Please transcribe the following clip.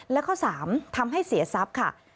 และข้อ๓ทำให้เสียทรัพย์ค่ะ